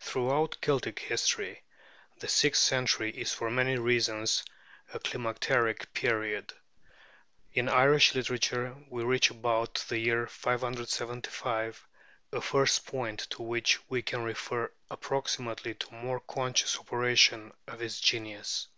Throughout Celtic history, the sixth century is for many reasons a climacteric period. In Irish literature, we reach about the year 575 a first point to which we can refer approximately the more conscious operation of its genius.